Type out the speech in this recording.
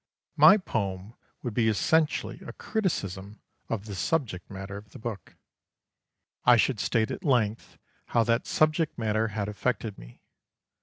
My poem would be essentially a criticism of the subject matter of the book. I should state at length how that subject matter had affected me.